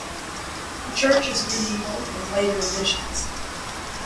The church is medieval with later additions.